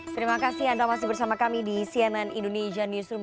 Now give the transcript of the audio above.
terima kasih anda masih bersama kami di cnn indonesia newsroom